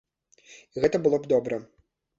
І гэта было б добра.